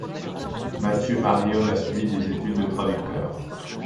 Mathieu Mariolle a suivi des études de traducteur.